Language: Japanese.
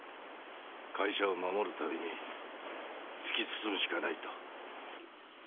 会社を守るために突き進むしかないと。